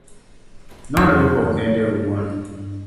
nodwoko kende owuon